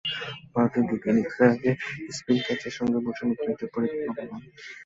ভারতের দ্বিতীয় ইনিংসের আগে স্পিন কোচের সঙ্গে বসে নতুন একটা পরিকল্পনা করলাম।